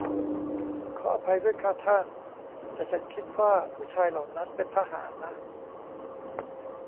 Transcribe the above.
ขออภัยด้วยค่ะท่าน แต่ฉันคิดว่าผู้ชายเหล่านั้นเป็นทหารนะ